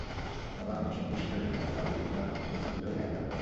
বাবা, আমি এইসব জুস খেয়ে ওজন কমাতে পারবই কিন্তু কীভাবে হাইট বাড়াবো?